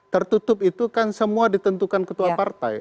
tertutup itu kan semua ditentukan ketua partai